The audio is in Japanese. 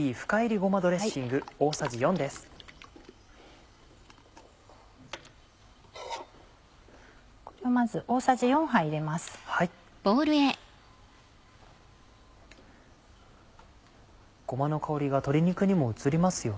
ごまの香りが鶏肉にも移りますよね。